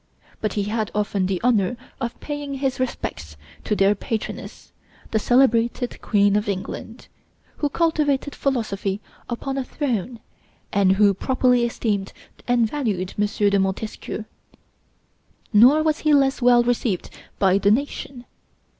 But he had often the honor of paying his respects to their patroness, the celebrated Queen of England, who cultivated philosophy upon a throne, and who properly esteemed and valued M. de Montesquieu. Nor was he less well received by the nation.